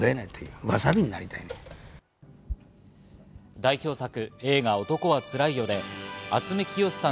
代表作、映画『男はつらいよ』で渥美清さん